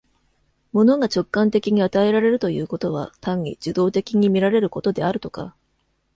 物が直観的に与えられるということは、単に受働的に見られることであるとか、